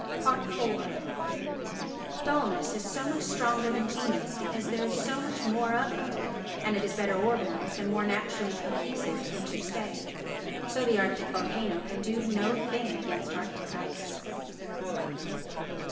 iv Dullness is so much stronger than genius because there is so much more of it, and it is better organised and more naturally cohesive inter se. So the arctic volcano can do no thing against arctic ice.